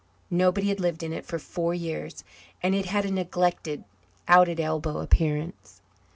Nobody had lived in it for four years, and it had a neglected, out at elbow appearance.